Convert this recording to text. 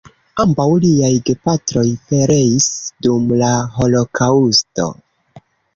Ambaŭ liaj gepatroj pereis dum la Holokaŭsto.